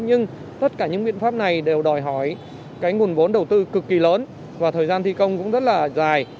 nhưng tất cả những biện pháp này đều đòi hỏi cái nguồn vốn đầu tư cực kỳ lớn và thời gian thi công cũng rất là dài